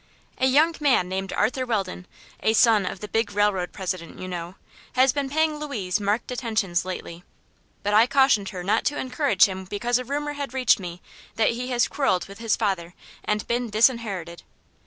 A young man named Arthur Weldon a son of the big railroad president, you know has been paying Louise marked attentions lately; but I cautioned her not to encourage him because a rumor had reached me that he has quarrelled with his father and been disinherited.